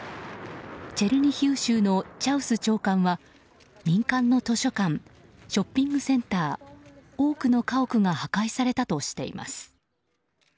チェルニヒウ州のチャウス長官は民間の図書館ショッピングセンター多くの家屋が破壊されたとしています。